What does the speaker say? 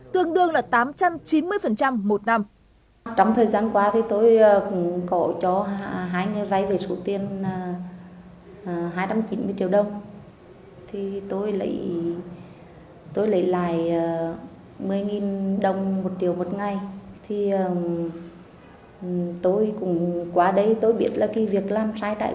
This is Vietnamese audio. tương đương là tám trăm chín mươi một năm